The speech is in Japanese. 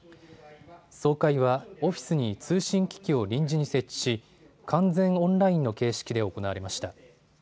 総会はオフィスに通信機器を臨時に設置し完全オンラインの形式で行われました。